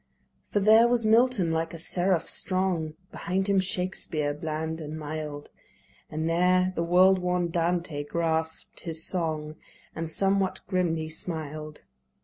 For there was Milton like a seraph strong, Beside him Shakespeare bland and mild; And there the world worn Dante grasp'd his song, And somewhat grimly smiled.